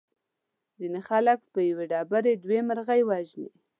ځینې خلک په یوې ډبرې دوه مرغۍ وژني.